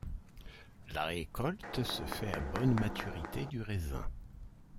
La récolte se fait à bonne maturité du raisin.